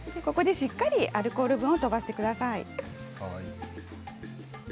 しっかりアルコール分を飛ばしてください。